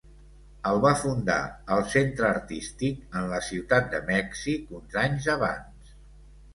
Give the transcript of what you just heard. El va fundar el Centre Artístic en la Ciutat de Mèxic uns anys abans.